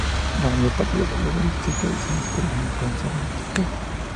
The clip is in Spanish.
La mayor parte de los lugares citados son oscuros y no pueden ser identificados.